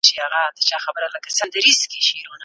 له زندانه تر آزادۍ